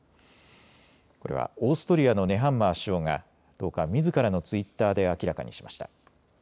これはオーストリアのネハンマー首相が１０日、みずからのツイッターで明らかにしました。